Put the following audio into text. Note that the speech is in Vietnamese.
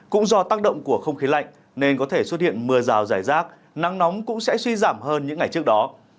cũng do tác động của không khí lạnh nên có thể xuất hiện mưa rào rải rác nắng nóng cũng sẽ suy giảm hơn những ngày trước đó